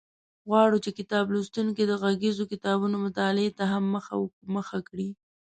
غواړو چې کتاب لوستونکي د غږیزو کتابونو مطالعې ته هم مخه کړي.